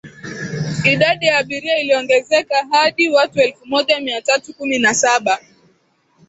idadi ya abiria iliongezeka hadi watu elfu moja mia tatu kumi na saba